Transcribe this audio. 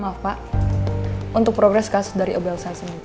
maaf pak untuk progres kasus dari ibu elsa sendiri